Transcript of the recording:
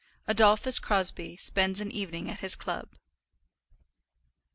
ADOLPHUS CROSBIE SPENDS AN EVENING AT HIS CLUB.